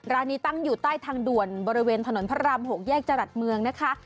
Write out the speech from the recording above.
ร้านนี้ตั้งอยู่ใต้ทางด่วนบริเวณถนนพระราม๖แยกจรัสเมืองนะคะ